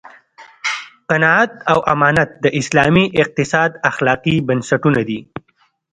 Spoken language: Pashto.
قناعت او امانت د اسلامي اقتصاد اخلاقي بنسټونه دي.